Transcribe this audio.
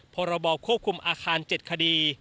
พรบควบคุมอาคาร๗คดี